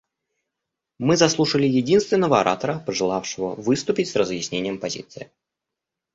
Мы заслушали единственного оратора, пожелавшего выступить с разъяснением позиции.